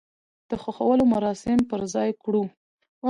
د خښولو مراسم په ځاى کړو.